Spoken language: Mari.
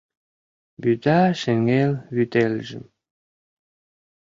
Вӱта шеҥгел вӱтельыжым